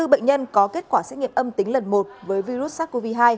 năm mươi bốn bệnh nhân có kết quả xét nghiệm âm tính lần một với virus sars cov hai